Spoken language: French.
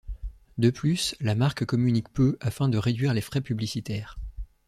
De plus, la marque communique peu afin de réduire les frais publicitaires.